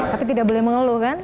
tapi tidak boleh mengeluh kan